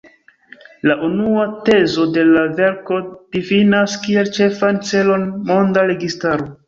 La unua tezo de la verko difinas kiel ĉefan celon monda registaro.